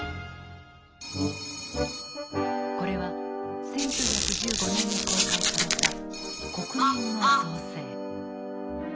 これは１９１５年に公開された「国民の創生」。